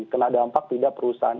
kena dampak tidak perusahaan